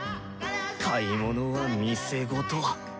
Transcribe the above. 買い物は店ごと。